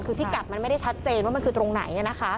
คือพิกัดมันไม่ได้ชัดเจนว่ามันคือตรงไหน